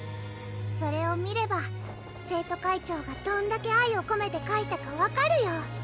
それを見れば生徒会長がどんだけ愛をこめてかいたか分かるよ！